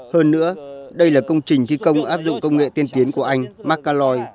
hơn nữa đây là công trình thi công áp dụng công nghệ tiên tiến của anh mark calloy